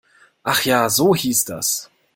Ach ja, so hieß das.